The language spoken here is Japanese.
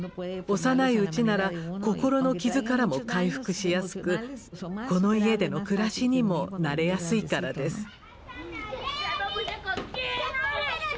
幼いうちなら心の傷からも回復しやすくこの家での暮らしにも慣れやすいからです。